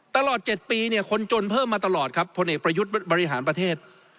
ตลอด๗ปีเนี่ยคนจนเพิ่มมาตลอดครับพลเอกประยุทธ์บริหารประเทศ